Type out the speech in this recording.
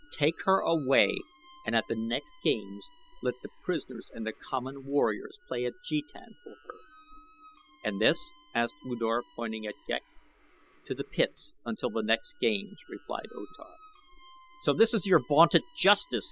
"Take her away, and at the next games let the prisoners and the common warriors play at Jetan for her." "And this?" asked U Dor, pointing at Ghek. "To the pits until the next games," replied O Tar. "So this is your vaunted justice!"